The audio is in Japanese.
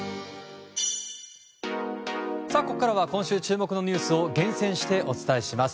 ここからは今週注目のニュースを厳選してお伝えします。